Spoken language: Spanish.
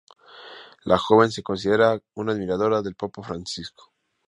La joven se considera una admiradora del papa Francisco.